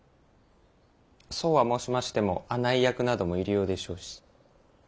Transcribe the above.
そうは申しましても案内役なども入り用でしょうし。